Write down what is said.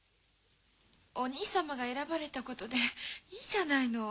お兄様が選ばれたことでいいじゃないの。